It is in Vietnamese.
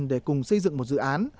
để cùng xây dựng một dự án